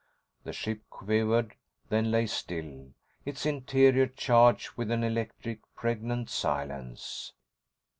The ship quivered, then lay still, its interior charged with an electric, pregnant silence.